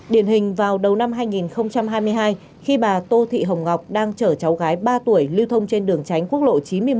điển hình vào đầu năm hai nghìn hai mươi hai khi bà tô thị hồng ngọc đang chở cháu gái ba tuổi lưu thông trên đường tránh quốc lộ chín mươi một